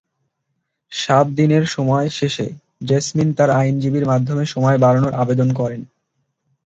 সাত দিনের সময় শেষে জেসমিন তাঁর আইনজীবীর মাধ্যমে সময় বাড়ানোর আবেদন করেন।